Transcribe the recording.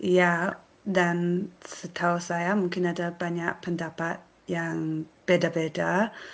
ya dan setahu saya mungkin ada banyak pendapat yang beda beda